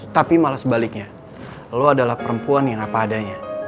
tapi malah sebaliknya lo adalah perempuan yang apa adanya